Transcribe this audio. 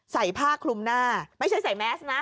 ใส่ผ้าคลุมหน้าไม่ใช่ใส่แมสนะ